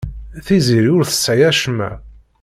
Tiziri ur tesɛi acemma.